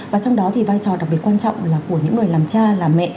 và trong đó thì vai trò đặc biệt quan trọng là của những người làm cha làm mẹ